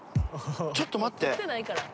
ちょっと待って。